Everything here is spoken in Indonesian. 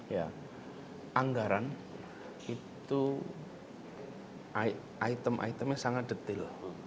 ya anggaran itu item itemnya sangat detail